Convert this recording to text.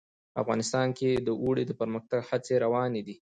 افغانستان کې د اوړي د پرمختګ هڅې روانې دي.